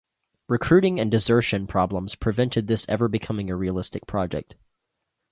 Recruiting and desertion problems prevented this ever becoming a realistic project.